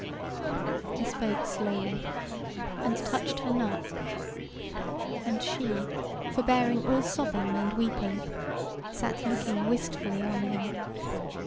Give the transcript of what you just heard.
He spoke slowly, and touched her not, and she, forbearing all sobbing and weeping, sat looking wistfully on him.